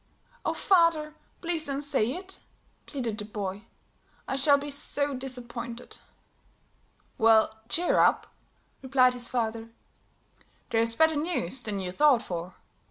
"Oh, father, please don't say it," pleaded the boy; "I shall be so disappointed." "Well, cheer up," replied his father, "there's better news than you thought for.